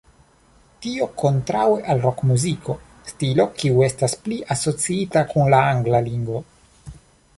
Tio kontraŭe al rokmuziko, stilo kiu estas pli asociita kun la angla lingvo.